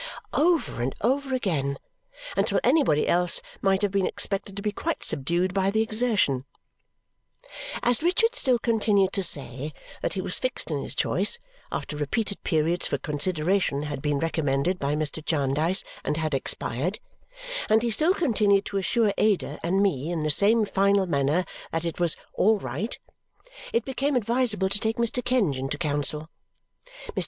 over and over again, until anybody else might have been expected to be quite subdued by the exertion. As Richard still continued to say that he was fixed in his choice after repeated periods for consideration had been recommended by Mr. Jarndyce and had expired, and he still continued to assure Ada and me in the same final manner that it was "all right," it became advisable to take Mr. Kenge into council. Mr.